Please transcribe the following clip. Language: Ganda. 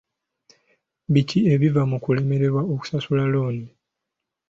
Biki ebiva mu kulemererwa okusasula looni?